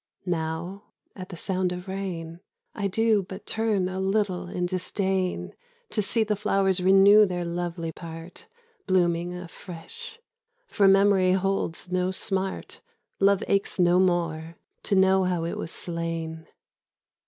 Now, at the sound of rain, I do but turn a little in disdain To see the flowers renew their lovely part, Blooming afresh. For memory holds no smart, Love aches no more to know how it was slain.